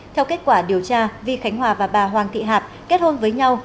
theo kết quả điều tra vi khánh hòa và bà hoàng thị hạp kết hôn với nhau